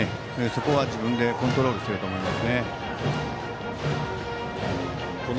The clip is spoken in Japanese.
そこは自分でコントロールしていると思います。